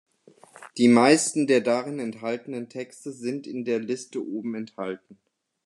Die meisten der darin enthaltenen Texte sind in der Liste oben enthalten.